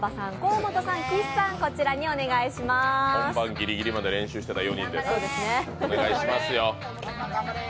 本番ギリギリまで練習してた４人でございます。